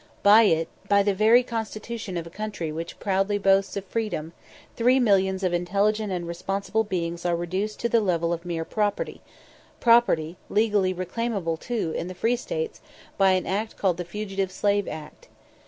By it, by the very constitution of a country which proudly boasts of freedom, three millions of intelligent and responsible beings are reduced to the level of mere property property legally reclaimable, too, in the Free States by an act called the Fugitive Slave Act.